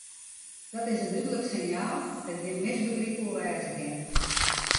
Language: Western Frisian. Dat is in dúdlik sinjaal dêr't gjin misbegryp oer wêze kin.